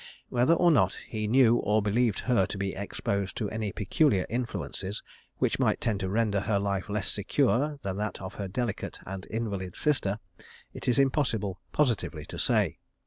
Whether or not he knew or believed her to be exposed to any peculiar influences which might tend to render her life less secure than that of her delicate and invalid sister, it is impossible positively to say.